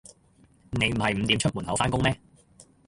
你唔係五點出門口返工咩